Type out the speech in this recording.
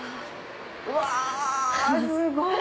うわすごい！